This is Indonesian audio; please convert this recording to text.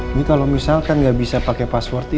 ini kalo misalkan gak bisa pake password ini